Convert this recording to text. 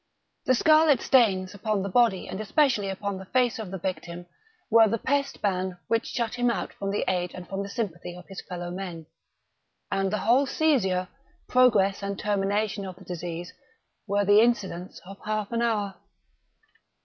The scarlet stains upon the body and especially upon the face of the victim, were the pest ban which shut him out from the aid and from the sympathy of his fellow men. And the whole seizure, progress and termination of the disease, were the incidents of half an hour.